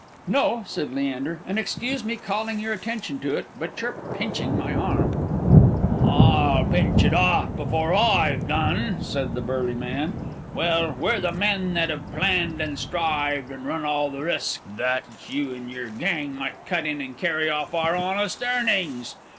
"No," said Leander; "and, excuse me calling of your attention to it, but you're pinching my arm!" "I'll pinch it off before I've done," said the burly man. "Well, we're the men that have planned and strived, and run all the risk, that you and your gang might cut in and carry off our honest earnings.